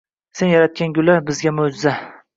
Sen yaratgan gullar – bizga mo‘’jiza